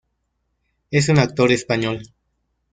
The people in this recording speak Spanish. Es un actor español.